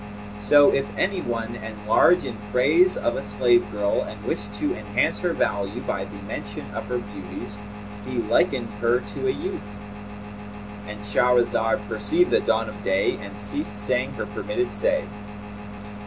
So if any one enlarge in praise of a slave girl and wish to enhance her value by the mention of her beauties, he likeneth her to a youth,'" —And Shahrazad perceived the dawn of day and ceased saying her permitted say.